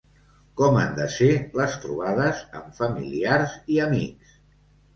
Com han de ser les trobades amb familiars i amics?